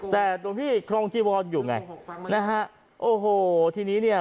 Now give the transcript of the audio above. แต่หลวงพี่ครองจีวอนอยู่ไงนะฮะโอ้โหทีนี้เนี่ย